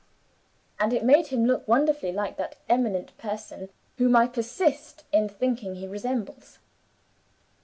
and it made him look wonderfully like that eminent person, whom I persist in thinking he resembles.